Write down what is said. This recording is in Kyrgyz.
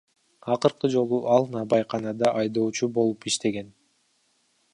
Акыркы жолу ал наабайканада айдоочу болуп иштеген.